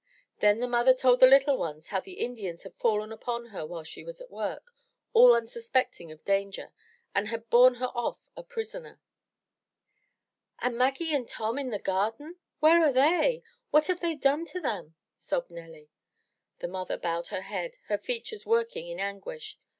Then the mother told the little ones how the Indians had fallen upon her while she was at work, all unsuspecting of danger, and had borne her off a prisoner. "And Maggie and Tom in the garden, where are they? What have the Indians done to them?'' sobbed Nelly. The mother bowed her head, her features working in anguish.